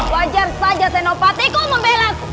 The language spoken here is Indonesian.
wajar saja tenopatiku memperlakuku